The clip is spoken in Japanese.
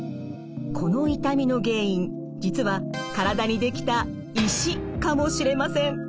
この痛みの原因実は体にできた石かもしれません。